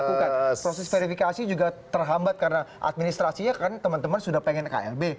bukan proses verifikasi juga terhambat karena administrasinya karena teman teman sudah pengen klb